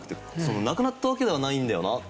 なくなったわけではないんだよなとか。